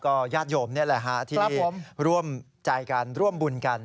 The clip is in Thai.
ญาติโยมนี่แหละฮะที่ร่วมใจกันร่วมบุญกัน